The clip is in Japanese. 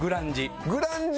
「グランジ」。